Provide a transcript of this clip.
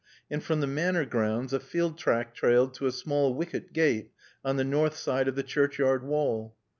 And from the Manor grounds a field track trailed to a small wicket gate on the north side of the churchyard wall.